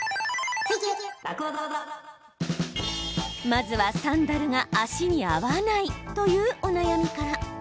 まずは、サンダルが足に合わないというお悩みから。